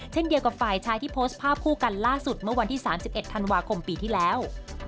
เช่นเดียวกับฝ่ายชายที่โพสต์ภาพคู่กันล่าสุดเมื่อวันที่๓๑ธันวาคมปีที่แล้ว